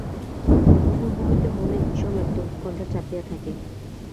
পূর্ব হইতে মনে বিষম একটা উৎকণ্ঠা চাপিয়া থাকে।